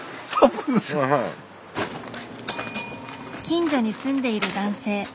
近所に住んでいる男性。